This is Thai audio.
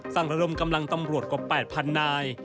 ระดมกำลังตำรวจกว่า๘๐๐นาย